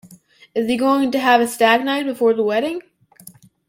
Is he going to have a stag night before the wedding?